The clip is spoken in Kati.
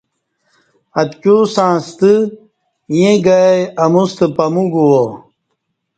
اتکیوستݩع ستہ ایں گائ اموستہ پامو گُووا